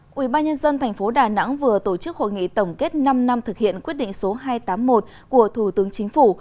quỹ ba nhân dân thành phố đà nẵng vừa tổ chức hội nghị tổng kết năm năm thực hiện quyết định số hai trăm tám mươi một của thủ tướng chính phủ